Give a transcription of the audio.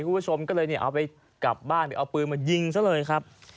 คุณผู้ชมก็เลยเนี่ยเอาไปกลับบ้านไปเอาปืนมายิงซะเลยครับ